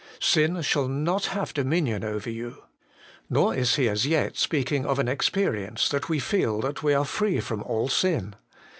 ' Sin shall not have dominion over you.' Nor is he as yet speaking of an experience, that we feel that we are free from all sin.